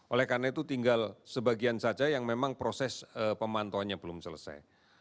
oleh karena itu tinggal sebagian saja yang memang proses pemantauannya belum selesai